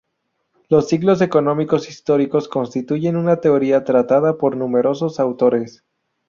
Los ciclos económicos históricos constituyen una teoría tratada por numerosos autores.